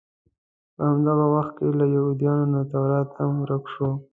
په هماغه وخت کې له یهودانو نه تورات هم ورک شو.